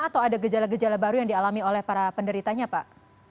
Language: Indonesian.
atau ada gejala gejala baru yang dialami oleh para penderitanya pak